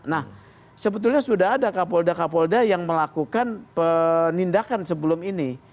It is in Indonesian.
nah sebetulnya sudah ada kapolda kapolda yang melakukan penindakan sebelum ini